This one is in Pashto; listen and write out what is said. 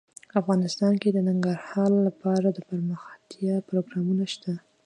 افغانستان کې د ننګرهار لپاره دپرمختیا پروګرامونه شته.